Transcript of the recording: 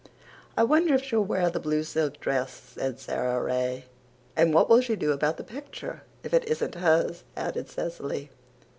"I wonder if she'll wear the blue silk dress," said Sara Ray. "And what will she do about the picture, if it isn't hers?" added Cecily.